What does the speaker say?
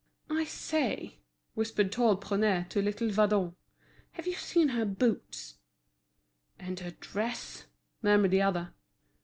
"I say," whispered tall Prunaire to little Vadon, "have you seen her boots?" "And her dress!" murmured the other.